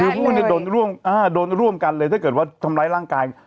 คือพูดเนี่ยโดนร่วมกันเลยถ้าเกิดว่าทำร้ายร่างกาย